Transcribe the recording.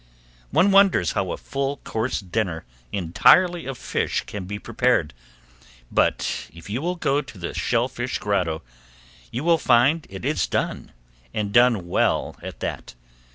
One wonders how a full course dinner entirely of fish can be prepared, but if you will go to the Shell Fish Grotto you will find that it is done, and done well at that.